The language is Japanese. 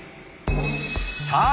さあ